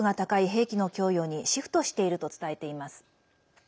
兵器の供与にシフトしていると伝えています。